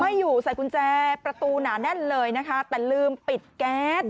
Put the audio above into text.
ไม่อยู่ใส่กุญแจประตูหนาแน่นเลยนะคะแต่ลืมปิดแก๊ส